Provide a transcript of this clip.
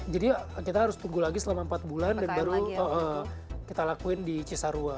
jadi kita harus tunggu lagi selama empat bulan dan baru kita lakuin di cisarua